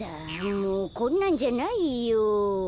もうこんなんじゃないよ。